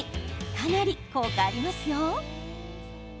かなり効果ありますよ。